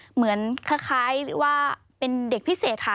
เหมือนคล้ายว่าเป็นเด็กพิเศษค่ะ